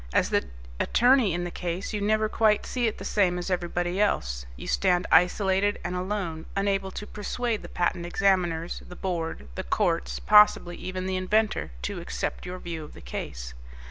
As the attorney in the case, you never quite see it the same as everybody else. You stand isolated and alone, unable to persuade the Patent Examiners, the Board, the courts, possibly even the inventor, to accept your view of the case.